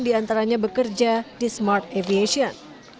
diantaranya bekerja di smart aviation